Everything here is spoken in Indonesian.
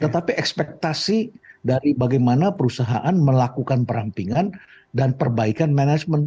tetapi ekspektasi dari bagaimana perusahaan melakukan perampingan dan perbaikan manajemen